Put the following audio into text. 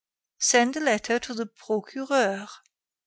"Send a letter to the Procureur."